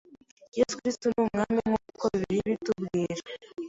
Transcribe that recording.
Yesu Kristo ni Umwami nk’uko Bibiliya ibitubwira.